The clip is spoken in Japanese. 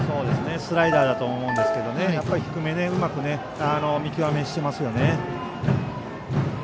スライダーだと思いますが低めにうまく見極めしてますよね。